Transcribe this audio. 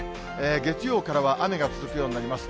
月曜からは雨が続くようになります。